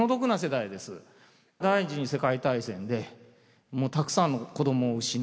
第２次世界大戦でもうたくさんの子供を失う。